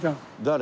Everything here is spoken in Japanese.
誰？